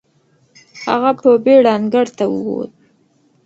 هغه په بېړه انګړ ته وووت.